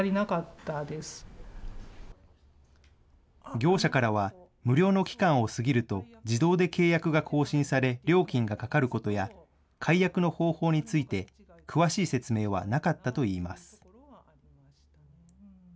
業者からは無料の期間を過ぎると自動で契約が更新され料金がかかることや解約の方法について詳しい説明はなかったといいます。